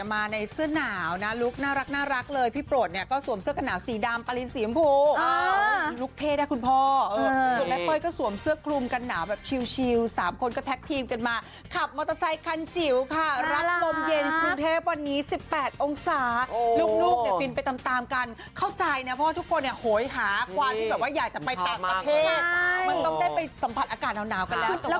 กันหนาวนะลุคน่ารักเลยพี่โปรดเนี่ยก็สวมเสื้อกันหนาวสีดำปารินสียมพูลุคเทได้คุณพ่อสวมเสื้อกลุ่มกันหนาวแบบชิว๓คนก็แท็กทีมกันมาขับมอเตอร์ไซค์คันจิ๋วค่ะรักมมเย็นคุณเทพวันนี้๑๘องศาลุคเนี่ยฟินไปตามกันเข้าใจเนี่ยเพราะทุกคนเนี่ยโหยหาความอยากจะไปต่างประเทศมันต